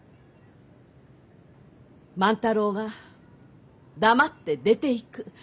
万太郎が黙って出ていく。